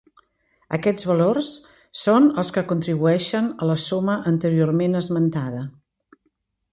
Aquests valors són els que contribueixen a la suma anteriorment esmentada.